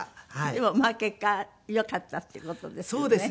でもまあ結果よかったって事ですよね。